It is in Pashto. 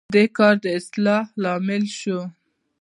دې کار د اصلاح لامل شو.